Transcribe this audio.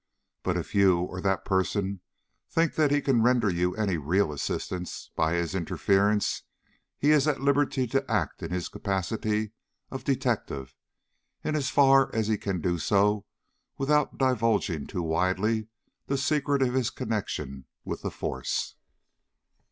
But if you or that person think that he can render you any real assistance by his interference, he is at liberty to act in his capacity of detective in as far as he can do so without divulging too widely the secret of his connection with the force.